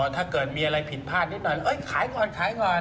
ถ้าเกิดมีอะไรผิดพลาดนิดหน่อยขายก่อนขายก่อน